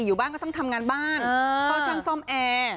อยู่บ้านก็ต้องทำงานบ้านเข้าช่างซ่อมแอร์